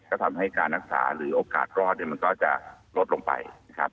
ก็ทำให้การรักษาหรือโอกาสรอดมันก็จะลดลงไป